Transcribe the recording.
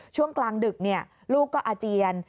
ช่วงกลางดึกลูกก็อาเจียน